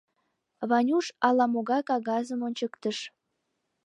— Ванюш ала-могай кагазым ончыктыш.